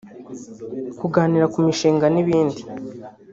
kuganira ku mishinga n’ibindi